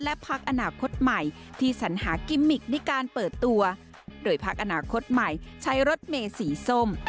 และพักอนาคตใหม่ที่สัญหากิมมิกในการเปิดตัวโดยพักอนาคตใหม่ใช้รถเมสีส้ม